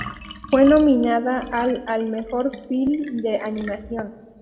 Fue nominada al al mejor film de animación.